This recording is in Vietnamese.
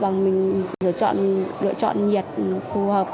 bằng mình lựa chọn nhiệt phù hợp